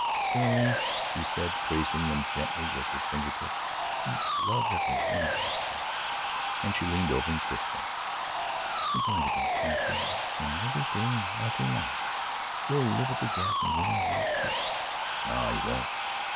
"Silly," she said, tracing them gently with her finger tips, "I love every one of them, too," and she leaned over and kissed them. "We're going to be happy each and every day, and all day long! We'll live at the Gap in winter and I'll teach." "No, you won't."